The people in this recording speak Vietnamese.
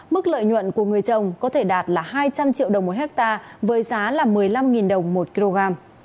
mức lợi nhuận của người trồng có thể đạt là hai trăm linh triệu đồng một hectare với giá là một mươi năm đồng một kg